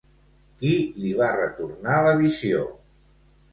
Qui li va retornar la visió?